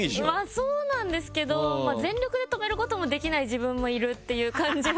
そうなんですけど全力で止めることもできない自分もいるっていう感じは。